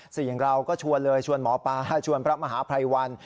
สิ่งเราก็ชวนเลยชวนหมอปลาชวนพระมหาภัยวัน